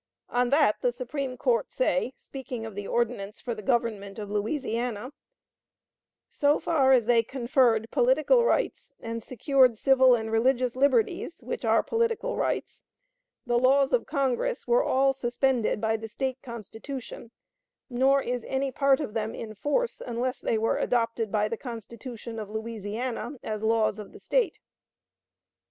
On that the Supreme Court say, speaking of the ordinance for the government of Louisiana: "So far as they conferred political rights and secured civil and religious liberties (which are political rights) the laws of Congress were all suspended by the State Constitution; nor is any part of them in force, unless they were adopted by the Constitution of Louisiana, as laws of the State."